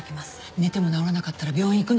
寝ても治らなかったら病院行くのよ。